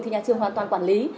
thì nhà trường hoàn toàn quản lý